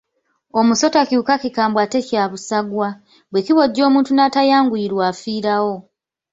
Omusota kiwuka kikambwe ate kya busagwa, bwe kibojja omuntu n’atayanguyirwa afiirawo.